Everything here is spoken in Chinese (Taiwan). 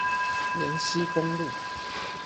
延溪公路